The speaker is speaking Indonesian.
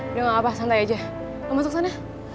udah gak apa santai aja lo masuk sana